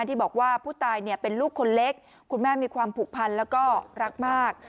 ที่บอกว่าผู้ตายเป็นลูกคนเล็กคุณแม่มีความผูกพันแล้วก็รักมาก